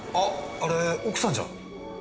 あれ奥さんじゃ？